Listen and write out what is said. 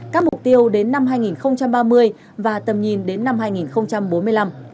các mục tiêu đến năm hai nghìn ba mươi và tầm nhìn đến năm hai nghìn bốn mươi năm